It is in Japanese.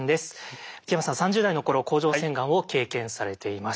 木山さん３０代の頃甲状腺がんを経験されています。